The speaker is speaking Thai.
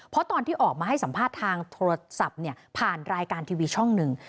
เพราะตอนที่ออกมาให้สัมภาษณ์ทางโทรศัพท์เนี่ยผ่านรายการทีวีช่องหนึ่ง